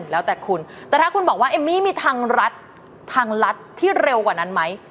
แล้วแต่คุณแต่ถ้าคุณบอกว่าเอมมี่มีทางรัฐทางรัฐที่เร็วกว่านั้นไหม